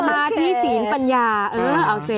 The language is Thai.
สมาธิสีนปัญญาเออเส่